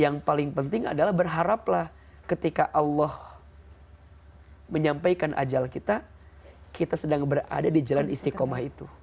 yang paling penting adalah berharaplah ketika allah menyampaikan ajal kita kita sedang berada di jalan istiqomah itu